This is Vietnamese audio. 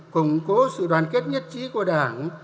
củng cố sự đoàn kết nhất trí của đảng